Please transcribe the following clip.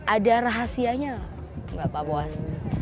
ada rahasianya nggak pak boas